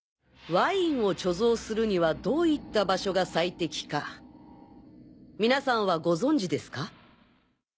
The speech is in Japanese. ワインを貯蔵するにはどういった場所が最適か皆さんはご存じですか？